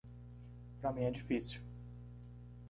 Para mim é difícil.